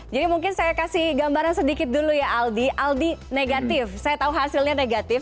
jadi mungkin saya kasih gambaran sedikit dulu ya aldi aldi negatif saya tahu hasilnya negatif